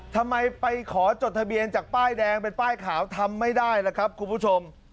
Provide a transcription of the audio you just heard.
ทำไมไปขอจดทะเบียนจากป้ายแดงเป็นป้ายขาวทำไม่ได้ล่ะครับคุณผู้ชม